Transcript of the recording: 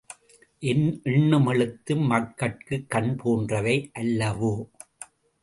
எண்ணும் எழுத்தும் மக்கட்குக் கண் போன்றவை அல்லவோ?